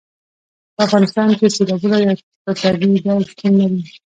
په افغانستان کې سیلابونه په طبیعي ډول شتون لري.